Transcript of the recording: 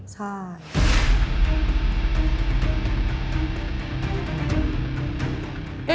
ใช่